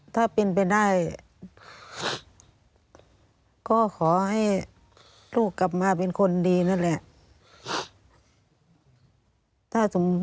ถ้าเป็นไปได้ก็ขอให้ลูกกลับมาเป็นคนดีนั่นแหละ